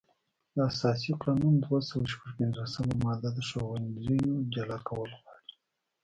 د اساسي قانون دوه سوه شپږ پنځوسمه ماده د ښوونځیو جلا کول غواړي.